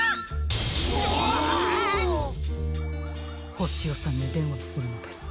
ホシヨさんにでんわするのです！